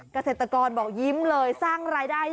กาเศษตะกรบอกยิ้มเลยสร้างรายได้ดีเลย